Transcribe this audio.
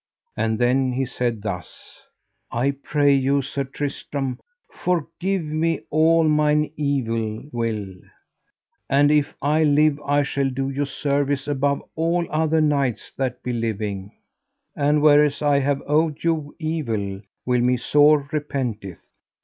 And then he said thus: I pray you, Sir Tristram, forgive me all mine evil will, and if I live I shall do you service above all other knights that be living; and whereas I have owed you evil will me sore repenteth.